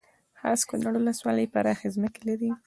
خاص کونړ ولسوالۍ پراخې ځمکې لري